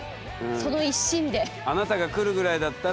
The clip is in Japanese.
その一心で。